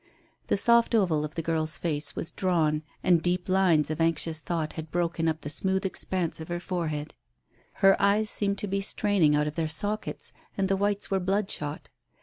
The soft oval of the girl's face was drawn, and deep lines of anxious thought had broken up the smooth expanse of her forehead. Her eyes seemed to be straining out of their sockets, and the whites were bloodshot.